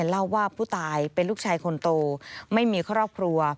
เล่าว่าผู้ตายเป็นลูกชายคนโตไม่มีครอบครัว